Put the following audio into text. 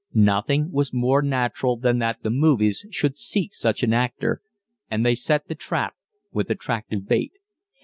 Nothing was more natural than that the movies should seek such an actor, and they set the trap with attractive bait.